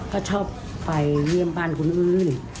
ก็ชอบไปเยี่ยมบ้านคนอื่น